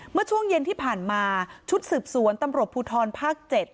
เมื่อช่วงเย็นที่ผ่านมาชุดสืบสวนตำรวจภูทรภาค๗